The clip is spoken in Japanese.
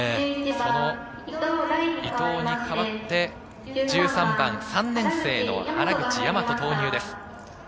その伊東に代わって１３番、３年生の原口和を投入です。